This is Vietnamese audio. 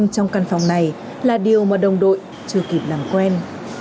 trong căn phòng này là điều mà đồng đội chưa kịp làm quen